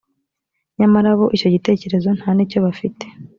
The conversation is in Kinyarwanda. nyamara bo icyo gitekerezo nta n icyo bafite